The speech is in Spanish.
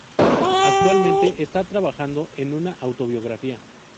Actualmente está trabajando en una autobiografía.